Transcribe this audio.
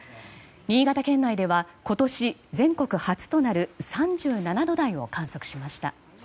新潟県内では今年、全国初となる３７度台を観測しました。